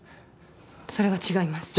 それは違います